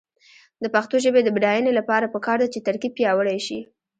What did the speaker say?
د پښتو ژبې د بډاینې لپاره پکار ده چې ترکیب پیاوړی شي.